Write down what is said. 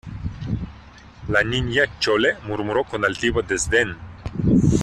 la Niña Chole murmuró con altivo desdén: